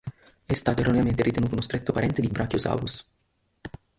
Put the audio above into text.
È stato erroneamente ritenuto uno stretto parente di "Brachiosaurus".